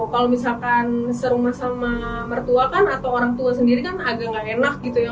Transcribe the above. kalau misalkan serumah sama mertua kan atau orang tua sendiri kan agak nggak enak gitu ya